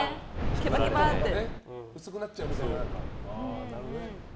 薄くなっちゃうみたいなね。